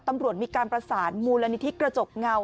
ตำรวจมีการประสานมูลนิธิกระจกเงา